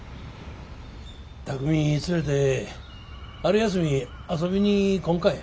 巧海連れて春休み遊びに来んかえ？